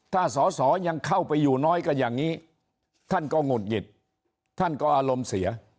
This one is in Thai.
ถ้าสอสอยังเข้าไปอยู่น้อยกันอย่างนี้ท่านก็หงุดหงิดท่านก็อารมณ์เสีย